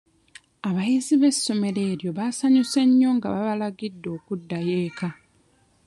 Abayizi b'essomero eryo baasanyuse nnyo nga babalagidde okuddayo eka.